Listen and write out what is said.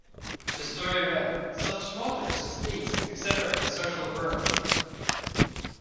The story read, Such motors as these accelerate the social whirl.